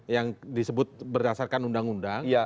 yang disebut berdasarkan undang undang